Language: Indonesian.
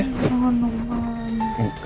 memang bener enam belas badak